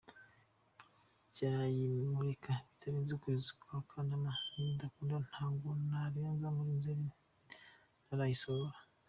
Nzayimurika bitarenze ukwezi kwa Kanama, nibidakunda ntabwo narenza muri Nzeri ntarayisohora.